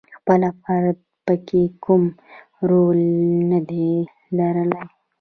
خپله فرد پکې کوم رول ندی لرلای.